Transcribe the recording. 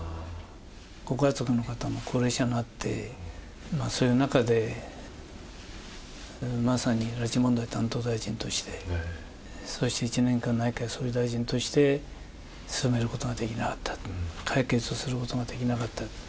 ご家族の方も高齢者になって、そういう中でまさに拉致問題担当大臣として、そして１年間、内閣総理大臣として進めることができなかった、解決することができなかった。